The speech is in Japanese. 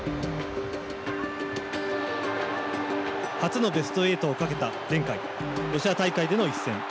初のベスト８を懸けた前回ロシア大会での一戦。